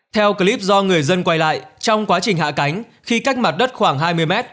theo clip do người dân quay lại trong quá trình hạ cánh khi cách mặt đất khoảng hai mươi m